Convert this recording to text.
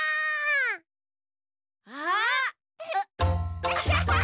あっ！